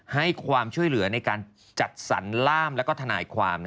ให้ความช่วยเหลือในการจัดสรรล่ามและทนายความ